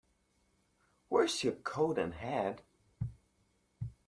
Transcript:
Where's your coat and hat?